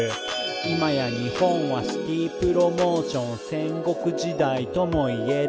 「今や日本はシティープロモーション戦国時代ともいえる」